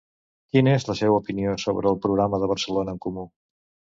Quina és la seva opinió sobre el programa de Barcelona en Comú?